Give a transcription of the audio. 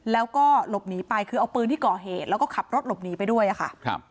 แล้วก็หลบหนีไปคือเอาปืนที่ก่อเหตุแล้วก็ขับรถหลบหนีไปด้วยอะค่ะครับ